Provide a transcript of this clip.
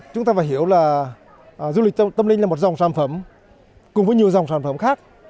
chúng ta phải hiểu là du lịch tâm linh là một dòng sản phẩm cùng với nhiều dòng sản phẩm khác